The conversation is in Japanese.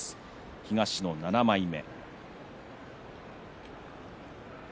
東の７枚目。